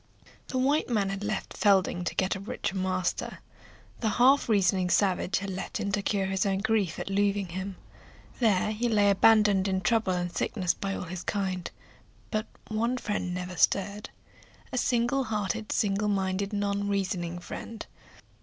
The white man had left Fielding to get a richer master. The half reasoning savage left him to cure his own grief at losing him. There he lay abandoned in trouble and sickness by all his kind. But one friend never stirred; a single hearted, single minded, non reasoning friend.